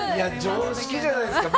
常識じゃないですか。